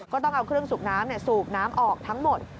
ก็ต้องเอาเครื่องสูบน้ำสูบน้ำออกทั้งหมด